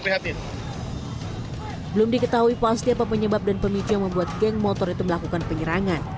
prihatin belum diketahui pasti apa penyebab dan pemicu yang membuat geng motor itu melakukan penyerangan